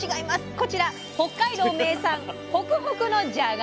こちら北海道名産ホクホクのじゃがいもです！